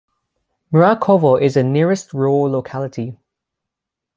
Mrakovo is the nearest rural locality.